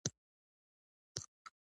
پیاله د مینې ګرمښت لري.